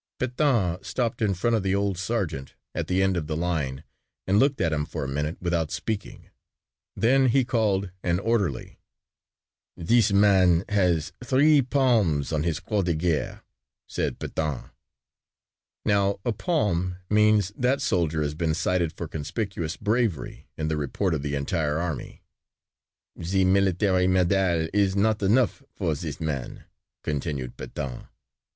Pétain stopped in front of the old sergeant at the end of the line and looked at him for a minute without speaking. Then he called an orderly. "This man has three palms on his croix de guerre," said Pétain. Now a palm means that soldier has been cited for conspicuous bravery in the report of the entire army. "The military medal is not enough for this man," continued Pétain.